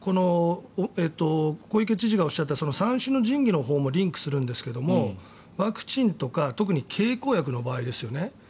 小池知事がおっしゃった３種の神器のほうもリンクするんですがワクチンとか特に経口薬の場合ですね。